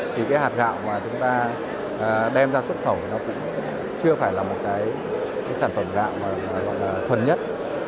thì hạt gạo mà chúng ta đem ra xuất khẩu chưa phải là một sản phẩm gạo thuần nhất